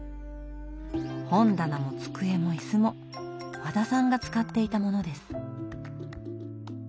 本棚も机も椅子も和田さんが使っていたものです。